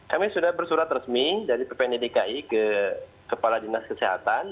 kami sudah bersurat resmi dari ppd dki ke kepala dinas kesehatan